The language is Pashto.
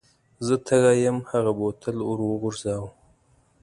زه تږی یم هغه بوتل ور وغورځاوه.